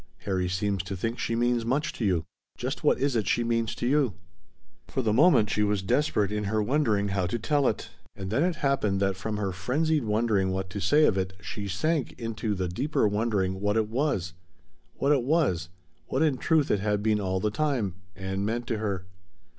"Harry seems to think she means much to you. Just what is it she means to you?" For the moment she was desperate in her wondering how to tell it. And then it happened that from her frenzied wondering what to say of it she sank into the deeper wondering what it was. What it was what in truth it had been all the time Ann meant to her.